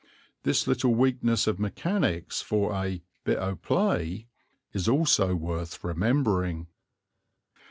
This little weakness of mechanics for a "bit o' play" is also worth remembering.